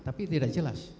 tapi tidak jelas